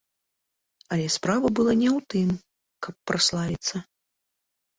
Але справа была не ў тым, каб праславіцца.